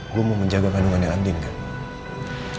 gue mau menjaga kandungannya andin gak